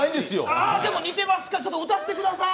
ああ、でも似てますから、歌ってください。